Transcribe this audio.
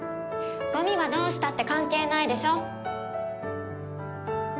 ゴミはどうしたって関係ないでしょ？